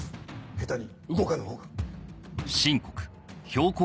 下手に動かぬほうが。